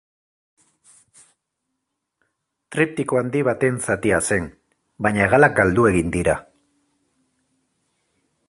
Triptiko handi baten zatia zen, baina hegalak galdu egin dira.